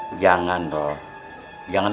udah lo gak usah mikirin orang